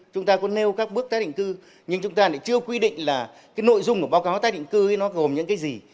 chúng ta có nêu các bước tái định cư nhưng chúng ta lại chưa quy định là nội dung của báo cáo tái định cư gồm những gì